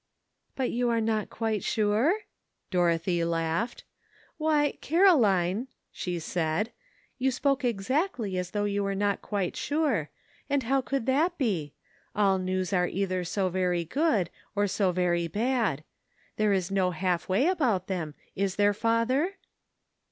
'*But you are not quite sure?" Dorothy laughed. '*Why, Caroline," she said, '*you spoke exactly as though you were not quite 2«6 MACHINES AND NEWS. sure; and how could that be? All news are either so very good or so very bad. There is no half way about them, is there, father?